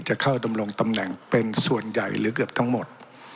จะเข้าดำรงตำแหน่งเป็นส่วนใหญ่หรือเกือบทั้งหมด